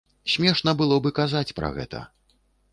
Смешна было б і казаць пра гэта.